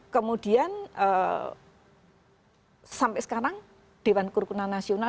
kemudian sampai sekarang dewan kerukunan nasional